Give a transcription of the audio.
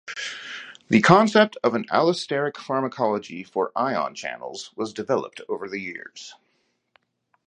The concept of an allosteric pharmacology for ion channels was developed over the years.